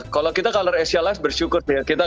kalau kita color asia live bersyukur ya